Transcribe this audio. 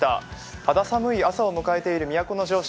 肌寒い朝を迎えている都城市